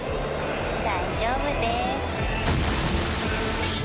大丈夫でーす。